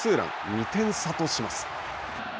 ２点差とします。